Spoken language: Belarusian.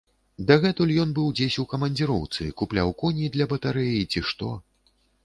Дагэтуль ён быў дзесь у камандзіроўцы, купляў коні для батарэі, ці што.